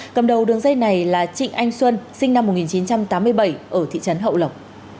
cầm đầu đường dây này là trịnh anh xuân sinh năm một nghìn chín trăm tám mươi bảy ở thị trấn hậu lộc